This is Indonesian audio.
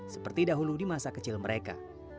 seperti dahulu di masa kecil mereka